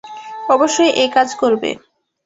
অবশ্যই একাজ করবে।